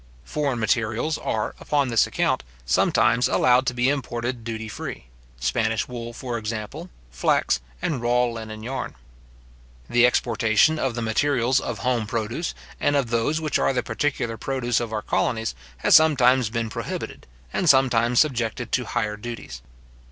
Foreign materials are, upon this account, sometimes allowed to be imported duty free; spanish wool, for example, flax, and raw linen yarn. The exportation of the materials of home produce, and of those which are the particular produce of our colonies, has sometimes been prohibited, and sometimes subjected to higher duties.